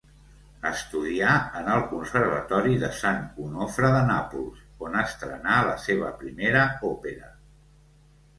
Estudià en el Conservatori de Sant Onofre de Nàpols, on estrenà la seva primera òpera.